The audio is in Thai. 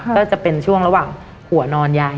ก็จะเป็นช่วงระหว่างหัวนอนยาย